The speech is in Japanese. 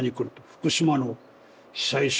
福島の被災者